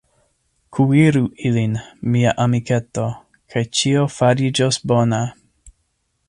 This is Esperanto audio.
Kuiru ilin, mia amiketo, kaj ĉio fariĝos bona.